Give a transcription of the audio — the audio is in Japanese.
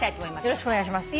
よろしくお願いします。